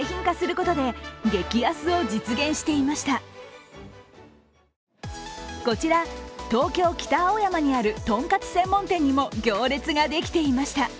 こちら東京・北青山にある豚カツ専門店にも行列ができていました。